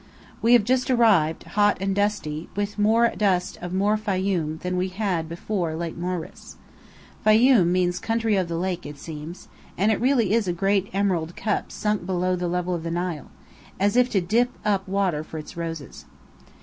We have just arrived, hot and dusty, with more dust of more Fayoum than we had before Lake Moeris. "Fayoum" means Country of the Lake it seems; and it really is a great emerald cup sunk below the level of the Nile as if to dip up water for its roses.